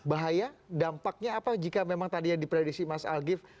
bahaya dampaknya apa jika memang tadi yang diprediksi mas algif